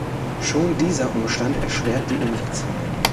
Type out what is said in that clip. Schon dieser Umstand erschwert die Umsetzung.